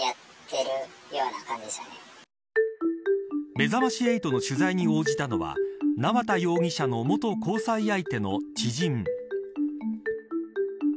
めざまし８の取材に応じたのは縄田容疑者の元交際相手の知人。